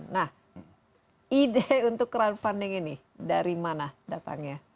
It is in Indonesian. nah ide untuk crowdfunding ini dari mana datangnya